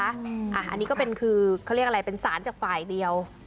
อันนี้ก็เป็นคือเขาเรียกอะไรเป็นสารจากฝ่ายเดียว